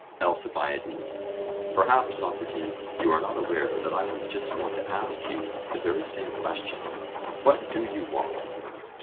ALCIBIADES: Perhaps, Socrates, you are not aware that I was just going to ask you the very same question What do you want?